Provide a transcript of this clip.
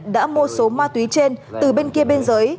đã mua số ma túy trên từ bên kia bên dưới